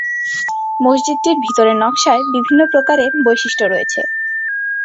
মসজিদটির ভিতরের নকশায় বিভিন্ন প্রকারের বৈশিষ্ট্য রয়েছে।